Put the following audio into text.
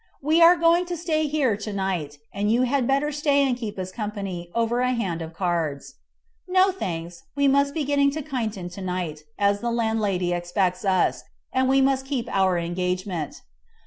We are going to stay here to night, and you had better stay and keep us company over a hand of cards." "No thanks; we must get to Kyneton to night, as the landlady expects us, and we must keep our engagement."